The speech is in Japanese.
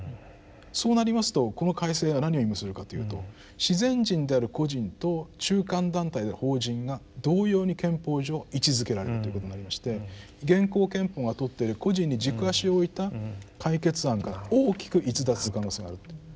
そうなりますとこの改正は何を意味するかというと自然人である個人と中間団体である法人が同様に憲法上位置づけられるということになりまして現行憲法がとってる個人に軸足を置いた解決案から大きく逸脱する可能性があるということですね。